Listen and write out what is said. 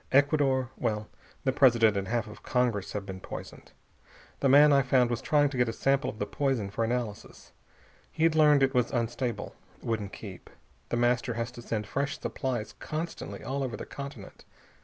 Ecuador well, the President and half of Congress have been poisoned. The man I found was trying to get a sample of the poison for analysis. He'd learned it was unstable. Wouldn't keep. The Master has to send fresh supplies constantly all over the continent.